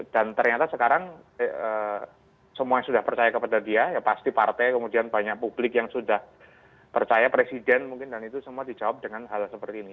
dan ternyata sekarang semua yang sudah percaya kepada dia ya pasti partai kemudian banyak publik yang sudah percaya presiden mungkin dan itu semua dijawab dengan hal seperti ini